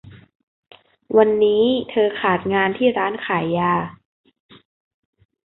วันนี้เธอขาดงานที่ร้านขายยา